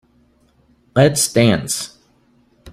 Let's dance.